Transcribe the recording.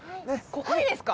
ここでですか？